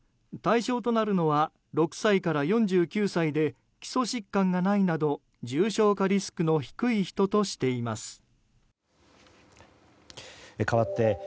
対象となるのは６歳から４９歳で基礎疾患がないなど重症化リスクの低い人としています。